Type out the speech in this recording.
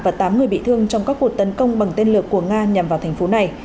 và tám người bị thương trong các cuộc tấn công bằng tên lửa của nga nhằm vào thành phố này